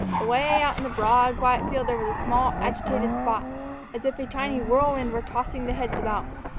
Away out in the broad, quiet field there was a small, agitated spot, as if a tiny whirlwind were tossing the heads about.